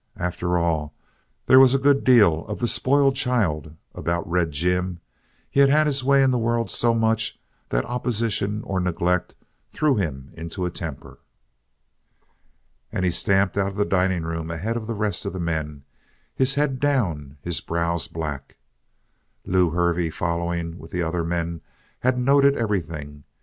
After all, there was a good deal of the spoiled child about Red Jim. He had had his way in the world so much that opposition or neglect threw him into a temper. And he stamped out of the dining room ahead of the rest of the men, his head down, his brows black. Lew Hervey, following with the other men, had noted everything.